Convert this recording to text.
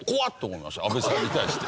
阿部さんに対して。